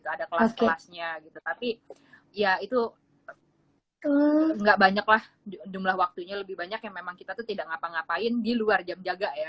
ada kelas kelasnya tapi ya itu tidak banyaklah jumlah waktunya lebih banyak yang memang kita tidak ngapa ngapain di luar jam jaga